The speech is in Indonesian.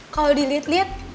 kalo diliat liat